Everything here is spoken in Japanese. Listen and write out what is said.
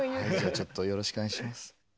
ちょっとよろしくお願いします。